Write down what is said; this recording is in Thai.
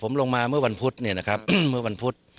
ผมลงมาเมื่อวันพุธเนี่ยนะครับเมื่อวันพุธ